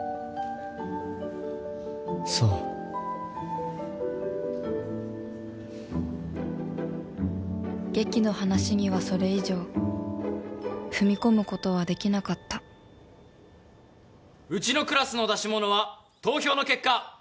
そう劇の話にはそれ以上踏み込むことはできなかったうちのクラスの出し物は投票の結果